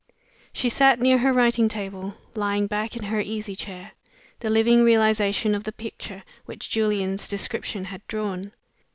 She sat near her writing table, lying back in her easy chair the living realization of the picture which Julian's description had drawn.